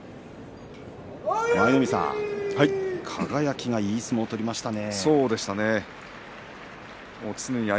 舞の海さん、輝がいい相撲を取りましたね。